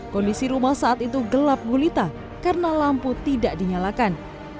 kondisi rumah saat itu gelap gulita karena lampu tidak dinyalakan